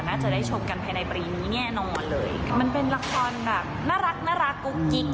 น่าจะได้ชมกันภายในปีนี้แน่นอนเลยมันเป็นละครแบบน่ารักน่ารักกุ๊กกิ๊ก